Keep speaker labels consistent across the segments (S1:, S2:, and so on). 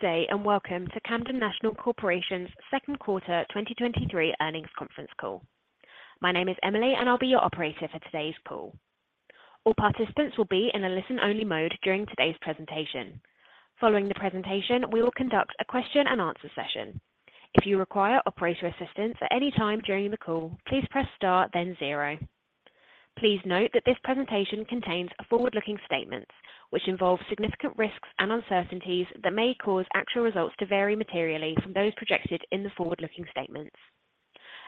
S1: Good day, welcome to Camden National Corporation's second quarter 2023 earnings conference call. My name is Emily, and I'll be your operator for today's call. All participants will be in a listen-only mode during today's presentation. Following the presentation, we will conduct a question and answer session. If you require operator assistance at any time during the call, please press star then zero. Please note that this presentation contains forward-looking statements which involve significant risks and uncertainties that may cause actual results to vary materially from those projected in the forward-looking statements.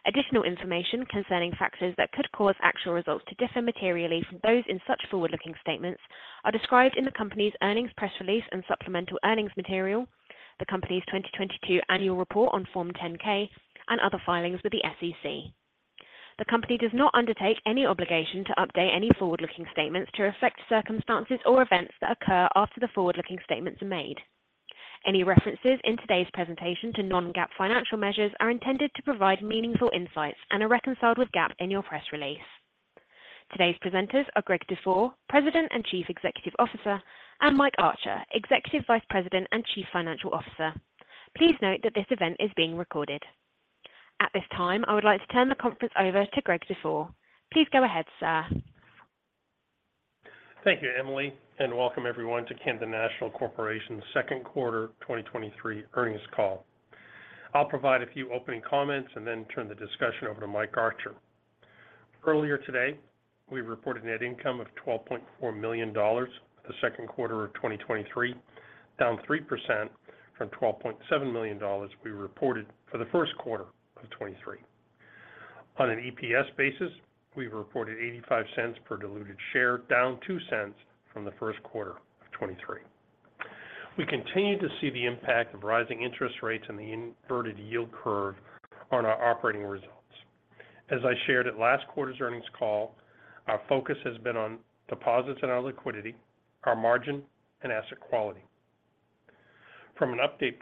S1: Additional information concerning factors that could cause actual results to differ materially from those in such forward-looking statements are described in the company's earnings press release and supplemental earnings material, the company's 2022 annual report on Form 10-K, and other filings with the SEC. The company does not undertake any obligation to update any forward-looking statements to reflect circumstances or events that occur after the forward-looking statements are made. Any references in today's presentation to non-GAAP financial measures are intended to provide meaningful insights and are reconciled with GAAP in your press release. Today's presenters are Greg Dufour, President and Chief Executive Officer, and Mike Archer, Executive Vice President and Chief Financial Officer. Please note that this event is being recorded. At this time, I would like to turn the conference over to Greg Dufour. Please go ahead, sir.
S2: Thank you, Emily. Welcome everyone to Camden National Corporation's second quarter 2023 earnings call. I'll provide a few opening comments and then turn the discussion over to Mike Archer. Earlier today, we reported net income of $12.4 million for the second quarter of 2023, down 3% from $12.7 million we reported for the first quarter of 2023. On an EPS basis, we reported $0.85 per diluted share, down $0.02 from the first quarter of 2023. We continue to see the impact of rising interest rates and the inverted yield curve on our operating results. As I shared at last quarter's earnings call, our focus has been on deposits and our liquidity, our margin, and asset quality. From an update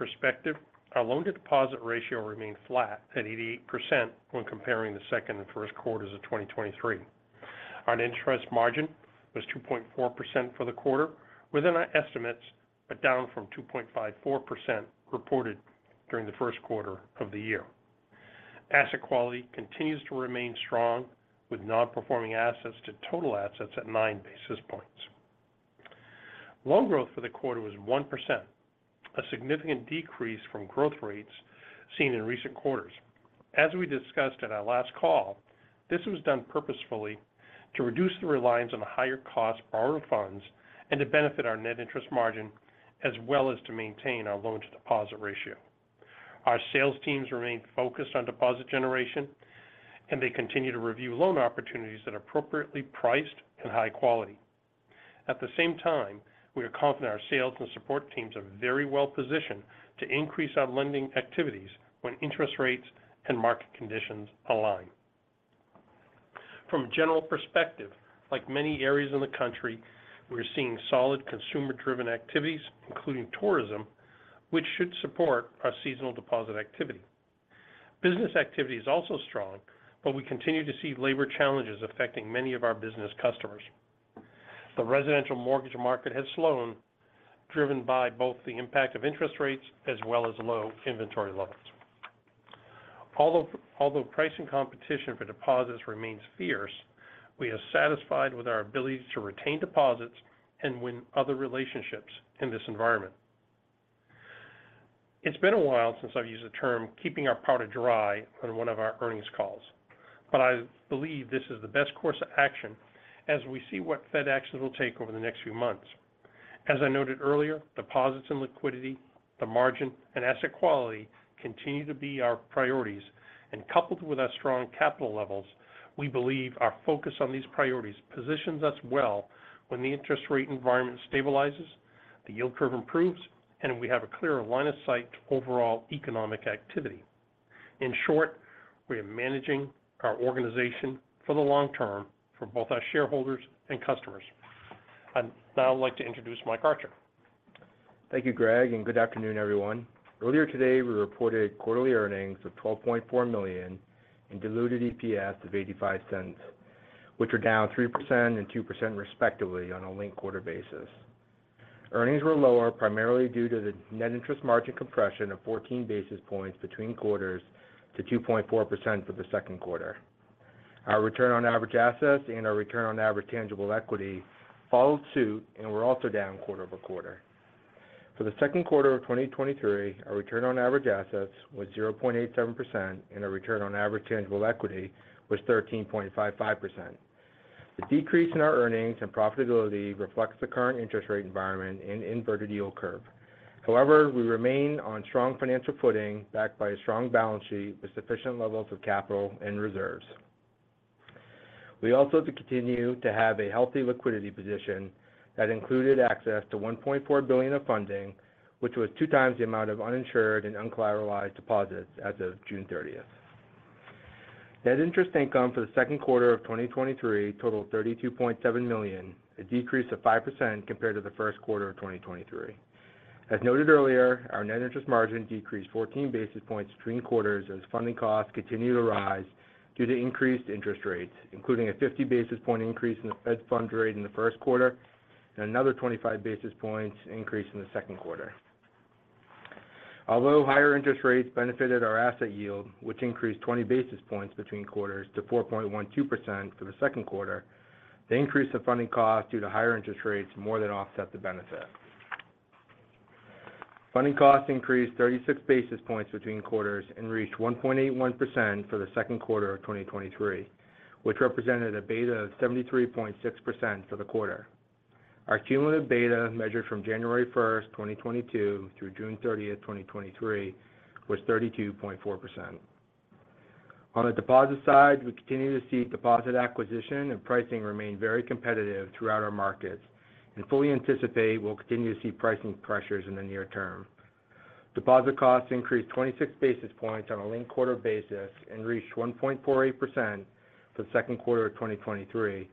S2: perspective, our loan-to-deposit ratio remained flat at 88% when comparing the second and first quarters of 2023. Our net interest margin was 2.4% for the quarter, within our estimates, but down from 2.54% reported during the first quarter of the year. Asset quality continues to remain strong, with non-performing assets to total assets at 9 basis points. Loan growth for the quarter was 1%, a significant decrease from growth rates seen in recent quarters. As we discussed at our last call, this was done purposefully to reduce the reliance on higher cost borrowed funds and to benefit our net interest margin, as well as to maintain our loan-to-deposit ratio. Our sales teams remain focused on deposit generation. They continue to review loan opportunities that are appropriately priced and high quality. At the same time, we are confident our sales and support teams are very well positioned to increase our lending activities when interest rates and market conditions align. From a general perspective, like many areas in the country, we're seeing solid consumer-driven activities, including tourism, which should support our seasonal deposit activity. Business activity is also strong, but we continue to see labor challenges affecting many of our business customers. The residential mortgage market has slowed, driven by both the impact of interest rates as well as low inventory levels. Although pricing competition for deposits remains fierce, we are satisfied with our ability to retain deposits and win other relationships in this environment. It's been a while since I've used the term "keeping our powder dry" on one of our earnings calls, but I believe this is the best course of action as we see what Fed action will take over the next few months. As I noted earlier, deposits and liquidity, the margin, and asset quality continue to be our priorities, and coupled with our strong capital levels, we believe our focus on these priorities positions us well when the interest rate environment stabilizes, the yield curve improves, and we have a clearer line of sight to overall economic activity. In short, we are managing our organization for the long term for both our shareholders and customers. Now I'd like to introduce Mike Archer.
S3: Thank you, Greg. Good afternoon, everyone. Earlier today, we reported quarterly earnings of $12.4 million in diluted EPS of $0.85, which are down 3% and 2% respectively on a linked-quarter basis. Earnings were lower, primarily due to the net interest margin compression of 14 basis points between quarters to 2.4% for the second quarter. Our return on average assets and our return on average tangible equity followed suit and were also down quarter-over-quarter. For the second quarter of 2023, our return on average assets was 0.87%, and our return on average tangible equity was 13.55%. The decrease in our earnings and profitability reflects the current interest rate environment and inverted yield curve. We remain on strong financial footing, backed by a strong balance sheet with sufficient levels of capital and reserves. We also continue to have a healthy liquidity position that included access to $1.4 billion of funding, which was 2x the amount of uninsured and uncollateralized deposits as of June 30th. Net interest income for the second quarter of 2023 totaled $32.7 million, a decrease of 5% compared to the first quarter of 2023. As noted earlier, our net interest margin decreased 14 basis points between quarters as funding costs continued to rise due to increased interest rates, including a 50 basis point increase in the Fed funds rate in the first quarter and another 25 basis points increase in the second quarter. Although higher interest rates benefited our asset yield, which increased 20 basis points between quarters to 4.12% for the second quarter, the increase of funding costs due to higher interest rates more than offset the benefit. Funding costs increased 36 basis points between quarters and reached 1.81% for the second quarter of 2023, which represented a beta of 73.6% for the quarter. Our cumulative beta, measured from January 1, 2022, through June 30, 2023, was 32.4%. On the deposit side, we continue to see deposit acquisition and pricing remain very competitive throughout our markets and fully anticipate we'll continue to see pricing pressures in the near term. Deposit costs increased 26 basis points on a linked quarter basis and reached 1.48% for the second quarter of 2023,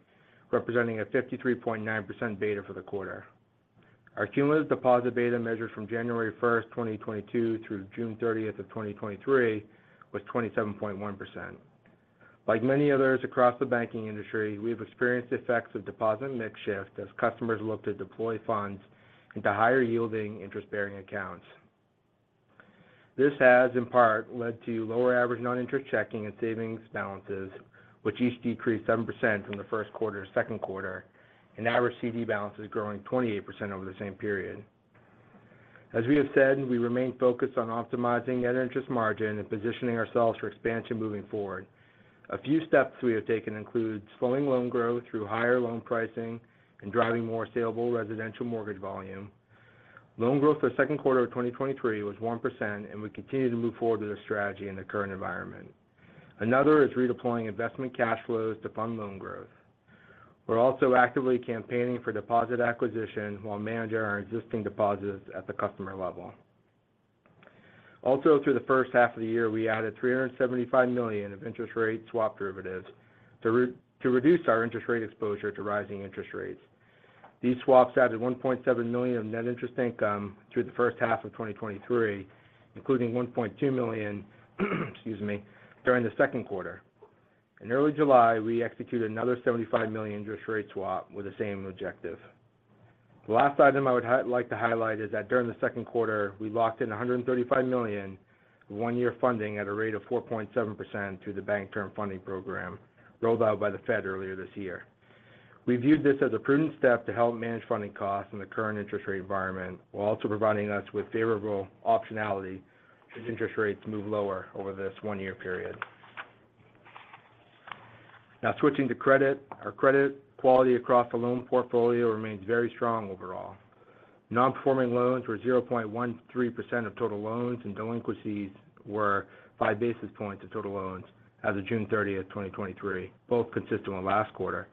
S3: representing a 53.9% beta for the quarter. Our cumulative deposit beta, measured from January 1st, 2022, through June 30th of 2023, was 27.1%. Like many others across the banking industry, we've experienced the effects of deposit mix shift as customers look to deploy funds into higher-yielding, interest-bearing accounts. This has, in part, led to lower average non-interest checking and savings balances, which each decreased 7% from the first quarter to second quarter, and average CD balances growing 28% over the same period. As we have said, we remain focused on optimizing net interest margin and positioning ourselves for expansion moving forward. A few steps we have taken include slowing loan growth through higher loan pricing and driving more saleable residential mortgage volume. Loan growth for the second quarter of 2023 was 1%. We continue to move forward with this strategy in the current environment. Another is redeploying investment cash flows to fund loan growth. We're also actively campaigning for deposit acquisition while managing our existing deposits at the customer level. Through the first half of the year, we added $375 million of interest rate swap derivatives to reduce our interest rate exposure to rising interest rates. These swaps added $1.7 million of net interest income through the first half of 2023, including $1.2 million, excuse me, during the second quarter. In early July, we executed another $75 million interest rate swap with the same objective. The last item I would like to highlight is that during the second quarter, we locked in $135 million one year funding at a rate of 4.7% through the Bank Term Funding Program rolled out by the Fed earlier this year. We viewed this as a prudent step to help manage funding costs in the current interest rate environment, while also providing us with favorable optionality as interest rates move lower over this one year period. Now, switching to credit. Our credit quality across the loan portfolio remains very strong overall. Non-performing loans were 0.13% of total loans, and delinquencies were 5 basis points of total loans as of June 30, 2023, both consistent with last quarter.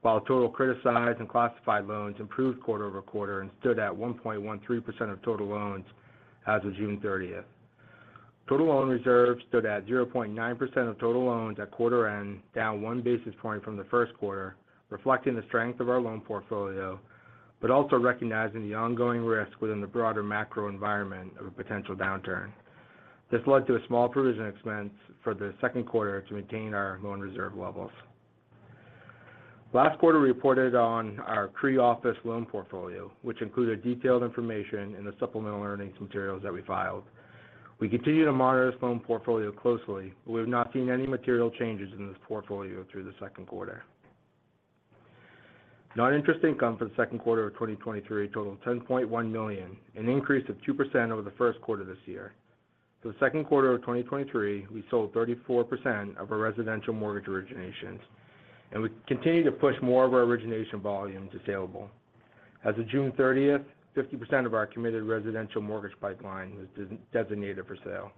S3: While total criticized and classified loans improved quarter-over-quarter and stood at 1.13% of total loans as of June 30th. Total loan reserves stood at 0.9% of total loans at quarter end, down 1 basis point from the first quarter, reflecting the strength of our loan portfolio, but also recognizing the ongoing risk within the broader macro environment of a potential downturn. This led to a small provision expense for the second quarter to maintain our loan reserve levels. Last quarter, we reported on our CRE office loan portfolio, which included detailed information in the supplemental earnings materials that we filed. We continue to monitor this loan portfolio closely. We have not seen any material changes in this portfolio through the second quarter. Non-interest income for the second quarter of 2023 totaled $10.1 million, an increase of 2% over the first quarter this year. For the second quarter of 2023, we sold 34% of our residential mortgage originations, we continue to push more of our origination volume to saleable. As of June 30th, 50% of our committed residential mortgage pipeline was designated for sale.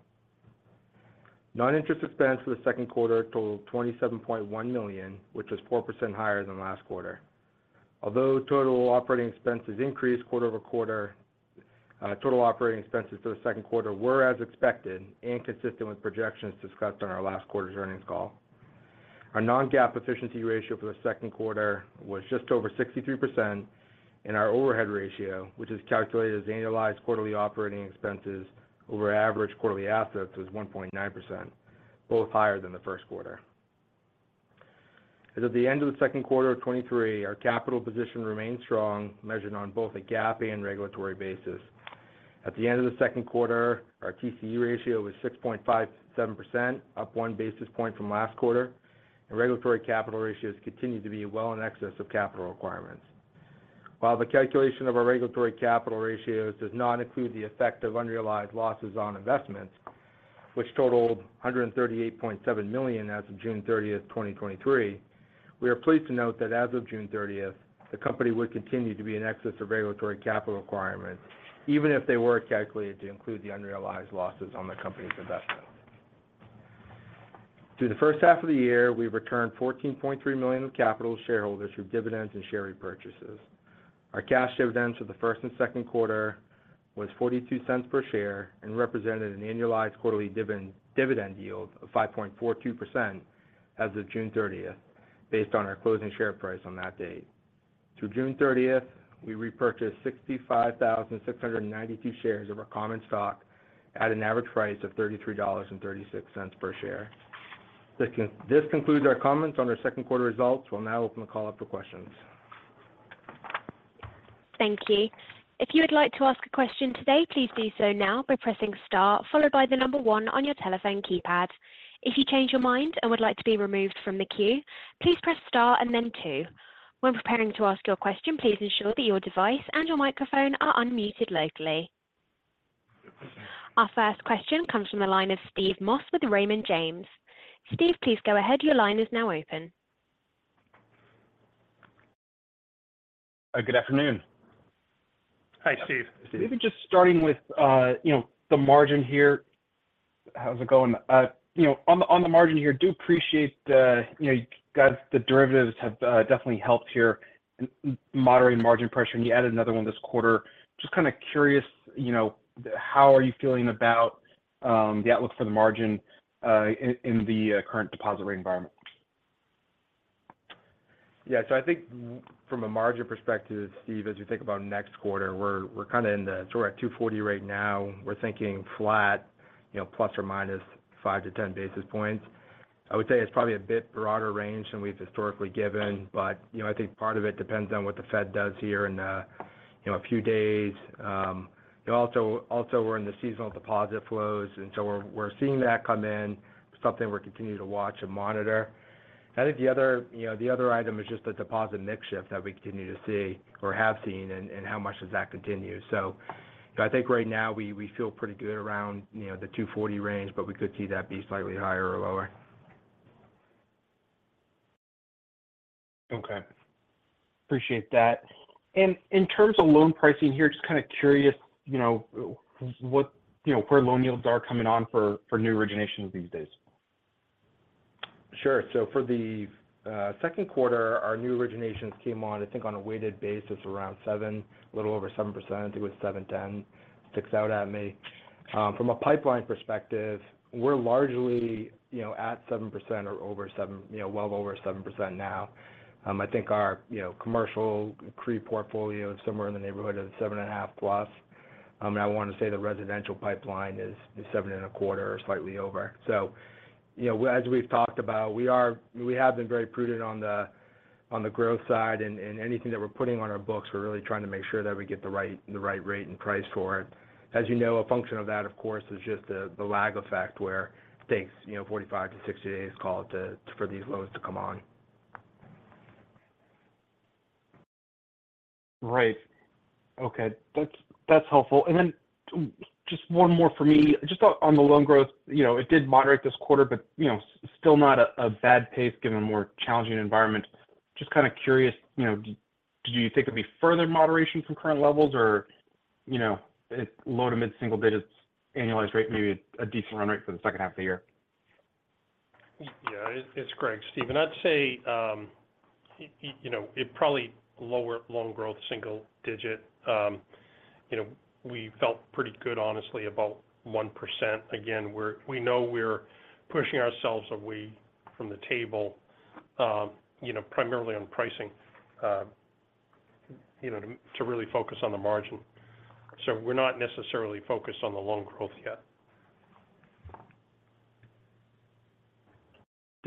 S3: Non-interest expense for the second quarter totaled $27.1 million, which was 4% higher than last quarter. Total operating expenses increased quarter-over-quarter, total operating expenses for the second quarter were as expected and consistent with projections discussed on our last quarter's earnings call. Our non-GAAP efficiency ratio for the second quarter was just over 63%. Our overhead ratio, which is calculated as annualized quarterly operating expenses over average quarterly assets, was 1.9%, both higher than the first quarter. As of the end of the second quarter of 2023, our capital position remained strong, measured on both a GAAP and regulatory basis. At the end of the second quarter, our TCE ratio was 6.57%, up one basis point from last quarter, and regulatory capital ratios continued to be well in excess of capital requirements. While the calculation of our regulatory capital ratios does not include the effect of unrealized losses on investments, which totaled $138.7 million as of June 30th, 2023, we are pleased to note that as of June 30th, the company would continue to be in excess of regulatory capital requirements, even if they were calculated to include the unrealized losses on the company's investments. Through the first half of the year, we returned $14.3 million of capital to shareholders through dividends and share repurchases. Our cash dividends for the first and second quarter was $0.42 per share and represented an annualized quarterly dividend yield of 5.42% as of June 30th, based on our closing share price on that date. Through June 30th, we repurchased 65,692 shares of our common stock at an average price of $33.36 per share. This concludes our comments on our second quarter results. We'll now open the call up for questions.
S1: Thank you. If you would like to ask a question today, please do so now by pressing star followed by one on your telephone keypad. If you change your mind and would like to be removed from the queue, please press star and then two. When preparing to ask your question, please ensure that your device and your microphone are unmuted locally. Our first question comes from the line of Steve Moss with Raymond James. Steve, please go ahead. Your line is now open.
S4: Good afternoon.
S2: Hi, Steve.
S4: Maybe just starting with, you know, the margin here. How's it going? You know, on the margin here, do appreciate the, you know, you guys, the derivatives have definitely helped here in moderating margin pressure, and you added another one this quarter. Just kind of curious, you know, how are you feeling about the outlook for the margin in the current deposit rate environment?
S3: Yeah. I think from a margin perspective, Steve, as we think about next quarter, we're kind of in the so we're at 240 right now. We're thinking flat, you know, ±5-10 basis points. I would say it's probably a bit broader range than we've historically given, but, you know, I think part of it depends on what the Fed does here in a, you know, a few days. Also, we're in the seasonal deposit flows, and so we're seeing that come in. Something we're continuing to watch and monitor. I think the other, you know, the other item is just the deposit mix shift that we continue to see or have seen and, how much does that continue. I think right now, we feel pretty good around, you know, the 240 range, but we could see that be slightly higher or lower.
S4: Okay. Appreciate that. In terms of loan pricing here, just kind of curious, you know, where loan yields are coming on for new originations these days?
S3: Sure. For the second quarter, our new originations came on, I think, on a weighted basis around seven, a little over 7%. I think it was 7.10, sticks out at me. From a pipeline perspective, we're largely, you know, at 7% or over 7%, you know, well over 7% now. I think our, you know, commercial CRE portfolio is somewhere in the neighborhood of 7.5%+. I want to say the residential pipeline is 7.25% or slightly over. You know, as we've talked about, we have been very prudent on the growth side, and anything that we're putting on our books, we're really trying to make sure that we get the right rate and price for it. As you know, a function of that, of course, is just the lag effect, where it takes, you know, 45 to 60 days, call it, for these loans to come on.
S4: Right. Okay. That's helpful. Then just one more for me, just on the loan growth. You know, it did moderate this quarter, but, you know, still not a bad pace given a more challenging environment. Just kind of curious, you know, do you think there'll be further moderation from current levels or, you know, it's low to mid single digits, annualized rate, maybe a decent run rate for the second half of the year?
S2: Yeah, it's Greg, Steve, and I'd say, you know, it probably lower loan growth, single digit. You know, we felt pretty good, honestly, about 1%. Again, we know we're pushing ourselves away from the table, you know, primarily on pricing, you know, to really focus on the margin. We're not necessarily focused on the loan growth yet.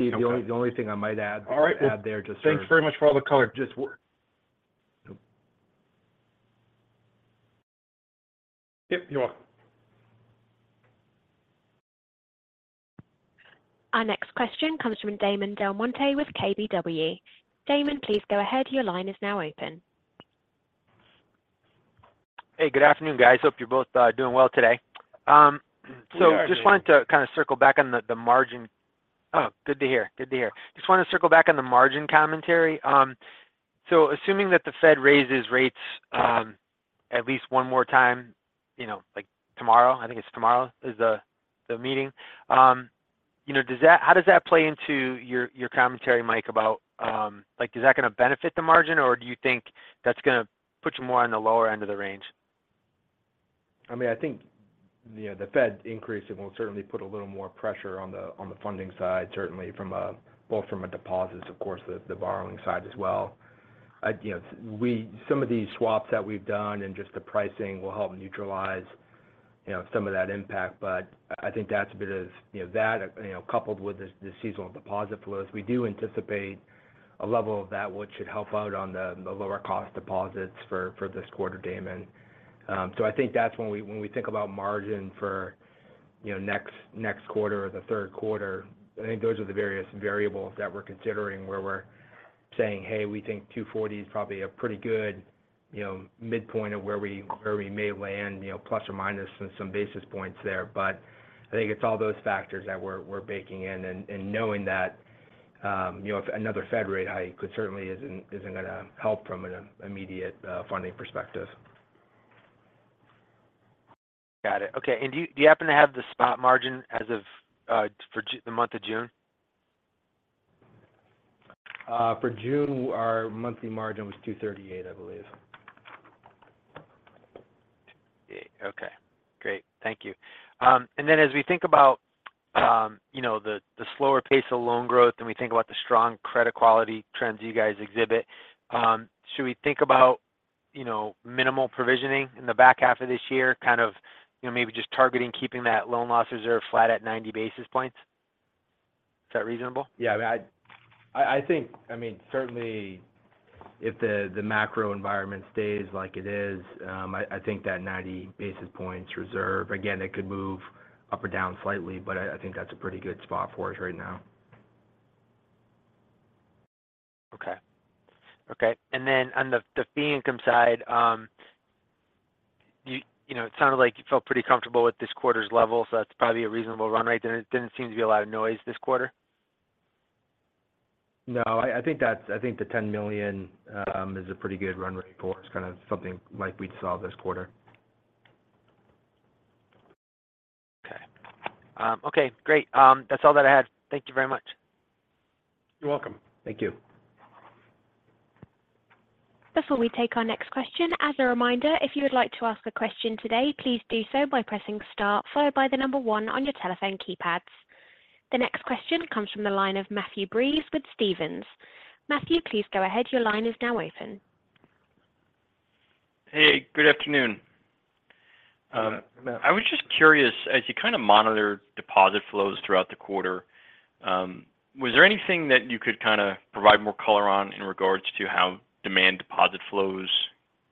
S4: Okay.
S3: Steve, the only thing I might add.
S4: All right. Thanks very much for all the color.
S3: Just work.
S2: Yep, you're welcome.
S1: Our next question comes from Damon DelMonte with KBW. Damon, please go ahead. Your line is now open.
S5: Hey, good afternoon, guys. Hope you're both doing well today.
S3: We are.
S5: Just wanted to circle back on the margin commentary. Assuming that the Fed raises rates, at least one more time, you know, like tomorrow, I think it's tomorrow is the meeting. You know, how does that play into your commentary, Mike, about, Like, is that going to benefit the margin, or do you think that's going to put you more on the lower end of the range?
S3: I mean, I think, you know, the Fed increasing will certainly put a little more pressure on the, on the funding side, certainly from both from a deposits, of course, the borrowing side as well. You know, some of these swaps that we've done and just the pricing will help neutralize, you know, some of that impact. I think that's a bit of, you know, that, you know, coupled with the seasonal deposit flows, we do anticipate a level of that which should help out on the lower cost deposits for this quarter, Damon. I think that's when we think about margin for, you know, next quarter or the third quarter, I think those are the various variables that we're considering, where we're saying, hey, we think 2.40% is probably a pretty good, you know, midpoint of where we may land, you know, plus or minus some basis points there. I think it's all those factors that we're baking in and knowing that, you know, another Fed rate hike could certainly isn't going to help from an immediate funding perspective.
S5: Got it. Okay. Do you happen to have the spot margin as of for the month of June?
S3: For June, our monthly margin was 238%, I believe.
S5: Okay, great. Thank you. As we think about, you know, the slower pace of loan growth, and we think about the strong credit quality trends you guys exhibit, should we think about, you know, minimal provisioning in the back half of this year? Kind of, you know, maybe just targeting, keeping that loan loss reserve flat at 90 basis points. Is that reasonable?
S3: Yeah, I think, I mean, certainly if the macro environment stays like it is, I think that 90 basis points reserve, again, it could move up or down slightly, but I think that's a pretty good spot for us right now.
S5: Okay. Okay, on the fee income side, you know, it sounded like you felt pretty comfortable with this quarter's level, so that's probably a reasonable run rate there. There didn't seem to be a lot of noise this quarter?
S3: No, I think the $10 million is a pretty good run rate for us, kind of something like we saw this quarter.
S5: Okay. Okay, great. That's all that I had. Thank you very much.
S2: You're welcome. Thank you.
S1: Before we take our next question, as a reminder, if you would like to ask a question today, please do so by pressing star, followed by the number one on your telephone keypads. The next question comes from the line of Matthew Breese with Stephens. Matthew, please go ahead. Your line is now open.
S6: Hey, good afternoon.
S3: Hey, Matt.
S6: I was just curious, as you kind of monitor deposit flows throughout the quarter, was there anything that you could kind of provide more color on in regards to how demand deposit flows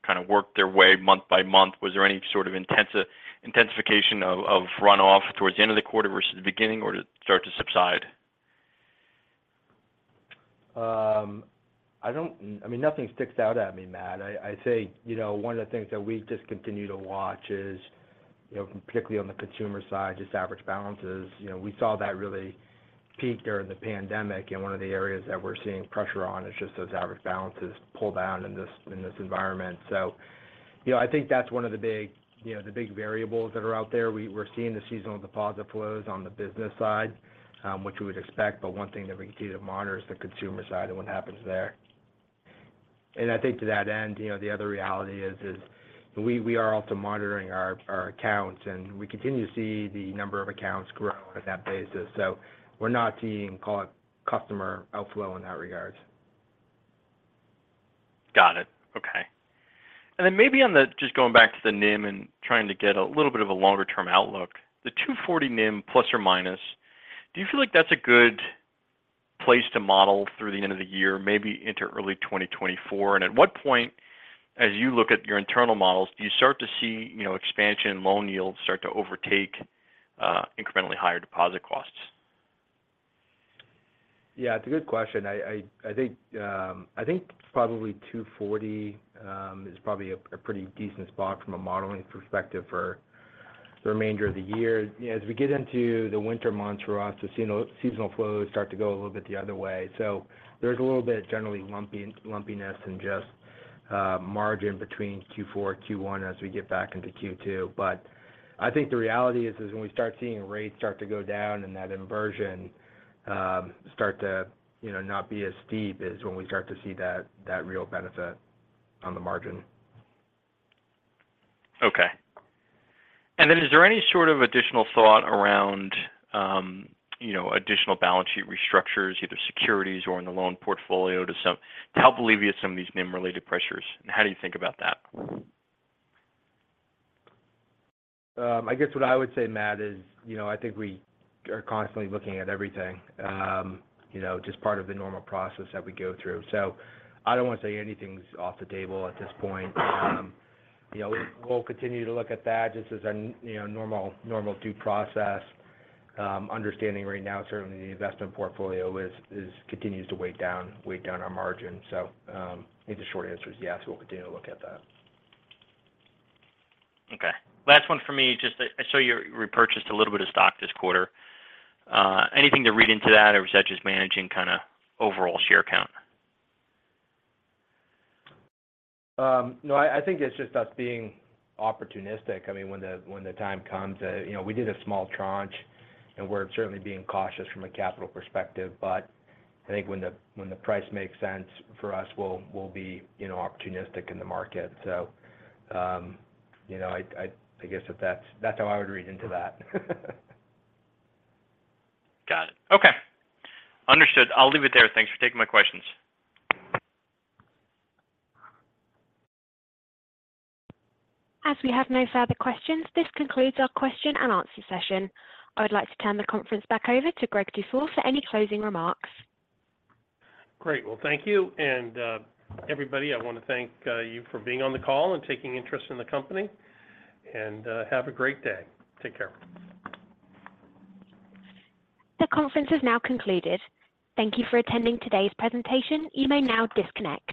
S6: kind of worked their way month by month? Was there any sort of intensification of runoff towards the end of the quarter versus the beginning, or did it start to subside?
S3: I mean, nothing sticks out at me, Matt. I'd say, you know, one of the things that we just continue to watch is, you know, particularly on the consumer side, just average balances. You know, we saw that really peak during the pandemic, and one of the areas that we're seeing pressure on is just those average balances pull down in this, in this environment. You know, I think that's one of the big, you know, the big variables that are out there. We're seeing the seasonal deposit flows on the business side, which we would expect, but one thing that we continue to monitor is the consumer side and what happens there. I think to that end, you know, the other reality is, we are also monitoring our accounts, and we continue to see the number of accounts grow on that basis. We're not seeing, call it, customer outflow in that regards.
S6: Got it. Okay. Then maybe on the just going back to the NIM and trying to get a little bit of a longer-term outlook, the ±240 NIM, plus or minus, do you feel like that's a good place to model through the end of the year, maybe into early 2024? At what point, as you look at your internal models, do you start to see, you know, expansion in loan yields start to overtake, incrementally higher deposit costs?
S3: Yeah, it's a good question. I think I think probably 2.40% is probably a pretty decent spot from a modeling perspective for the remainder of the year. As we get into the winter months, we're also seeing seasonal flows start to go a little bit the other way. There's a little bit of generally lumpiness and just margin between Q4, Q1, as we get back into Q2. I think the reality is when we start seeing rates start to go down and that inversion start to, you know, not be as steep, is when we start to see that real benefit on the margin.
S6: Okay. Is there any sort of additional thought around, you know, additional balance sheet restructures, either securities or in the loan portfolio, to help alleviate some of these NIM-related pressures? How do you think about that?
S3: I guess what I would say, Matt, is, you know, I think we are constantly looking at everything. You know, just part of the normal process that we go through. I don't want to say anything's off the table at this point. You know, we'll continue to look at that just as a, you know, normal due process. Understanding right now, certainly the investment portfolio is, continues to weigh down our margin. I think the short answer is yes, we'll continue to look at that.
S6: Okay. Last one for me, just that I saw you repurchased a little bit of stock this quarter. Anything to read into that, or was that just managing kind of overall share count?
S3: No, I think it's just us being opportunistic. I mean, when the time comes, you know, we did a small tranche, and we're certainly being cautious from a capital perspective. I think when the price makes sense for us, we'll be, you know, opportunistic in the market. You know, I guess that's how I would read into that.
S6: Got it. Okay. Understood. I'll leave it there. Thanks for taking my questions.
S1: As we have no further questions, this concludes our question and answer session. I would like to turn the conference back over to Greg Dufour for any closing remarks.
S2: Great. Well, thank you. Everybody, I want to thank you for being on the call and taking interest in the company. Have a great day. Take care.
S1: The conference is now concluded. Thank you for attending today's presentation. You may now disconnect.